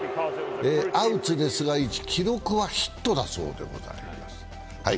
アウトですが記録はヒットだそうでございます。